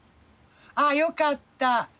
あよかった。